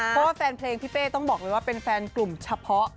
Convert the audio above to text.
เพราะว่าแฟนเพลงพี่เป้ต้องบอกเลยว่าเป็นแฟนกลุ่มเฉพาะ